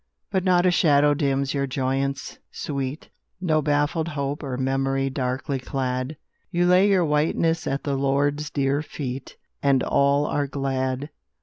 But not a shadow dims your joyance sweet, No baffled hope or memory darkly clad; You lay your whiteness at the Lord's dear feet, And are all glad.